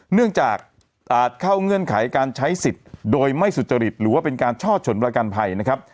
เนื่องจากอาจเข้าเงื่อนไขการใช้สิทธิ์โดยไม่สุจริตหรือว่าเป็นการช่อฉนประกันภัยนะครับ